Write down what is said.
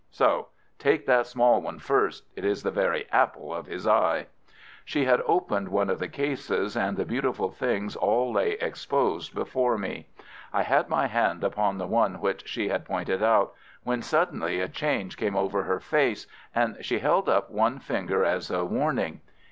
So! Take that small one first—it is the very apple of his eye." She had opened one of the cases, and the beautiful things all lay exposed before me. I had my hand upon the one which she had pointed out, when suddenly a change came over her face, and she held up one finger as a warning.